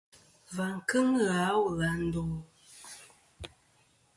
Và kɨŋ ghà a wul à ndo ?